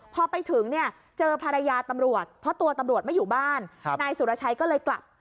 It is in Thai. พอไปถึงเนี่ยเจอภรรยาตำรวจเพราะตัวตำรวจไม่อยู่บ้านนายสุรชัยก็เลยกลับ